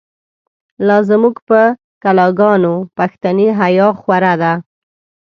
لازموږ په کلاګانو، پښتنی حیا خو ره ده